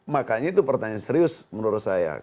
makanya itu pertanyaan serius menurut saya